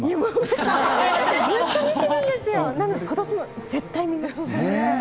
ずっと見てるんですよ、なので、ことしも絶対見ます。